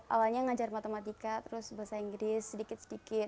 awalnya ngajar matematika terus bahasa inggris sedikit sedikit